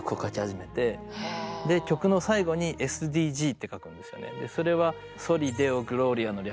曲の最後に「Ｓ．Ｄ．Ｇ」って書くんですよね。